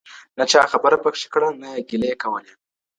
نه چا خبره پکښی کړه نه یې ګیلې کولې.